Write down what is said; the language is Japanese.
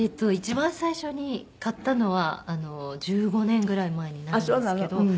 一番最初に買ったのは１５年ぐらい前になるんですけど。